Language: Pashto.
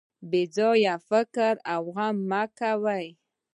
بې ځایه فکر او غم مه کوه.